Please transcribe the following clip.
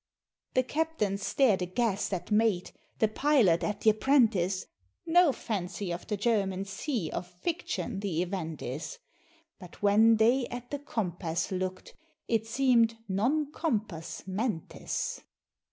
The captain stared aghast at mate, The pilot at th' apprentice; No fancy of the German Sea Of Fiction the event is: But when they at the compass look'd, It seem'd non compass mentis.